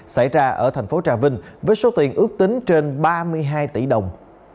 xảy ra ở thành phố trà vinh với số tiền ước tính trên ba mươi triệu đồng